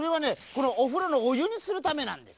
このおふろのおゆにするためなんです。